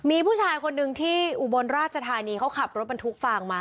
มีผู้ชายคนหนึ่งที่อุบลราชธานีเขาขับรถบรรทุกฟางมา